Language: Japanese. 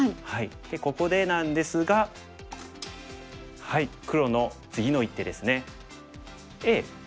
でここでなんですが黒の次の一手ですね。